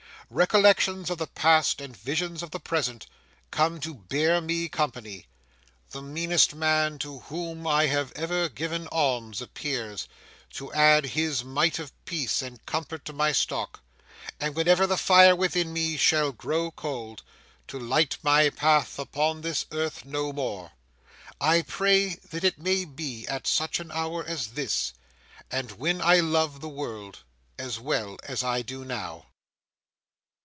Recollections of the past and visions of the present come to bear me company; the meanest man to whom I have ever given alms appears, to add his mite of peace and comfort to my stock; and whenever the fire within me shall grow cold, to light my path upon this earth no more, I pray that it may be at such an hour as this, and when I love the world as well as I do now.